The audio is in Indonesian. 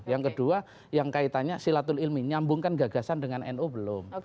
yang kedua yang kaitannya silatul ilmi nyambungkan gagasan dengan nu belum